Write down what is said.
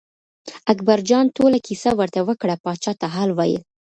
اکبرجان ټوله کیسه ورته وکړه پاچا ته حال ویل.